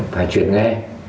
phải chuyển nghe